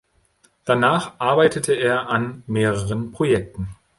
Danach arbeitete er an mehreren Projekten.